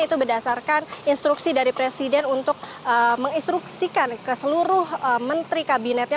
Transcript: itu berdasarkan instruksi dari presiden untuk menginstruksikan ke seluruh menteri kabinetnya